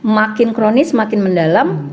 makin kronis makin mendalam